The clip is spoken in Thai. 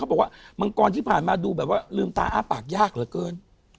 บอกว่ามังกรที่ผ่านมาดูแบบว่าลืมตาอ้าปากยากเหลือเกิน